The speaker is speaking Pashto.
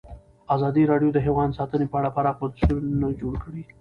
ازادي راډیو د حیوان ساتنه په اړه پراخ بحثونه جوړ کړي.